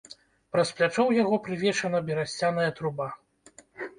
Праз плячо ў яго прывешана берасцяная труба.